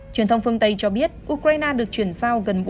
truyền thông phương tây cho biết ukraine được chuyển sao